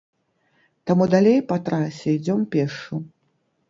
Таму далей па трасе ідзём пешшу.